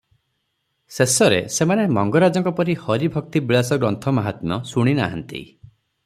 ଶେଷରେ ସେମାନେ ମଙ୍ଗରାଜଙ୍କ ପରି ହରିଭକ୍ତି - ବିଳାସ ଗ୍ରନ୍ଥ ମାହାତ୍ମ୍ୟ ଶୁଣି ନାହାନ୍ତି ।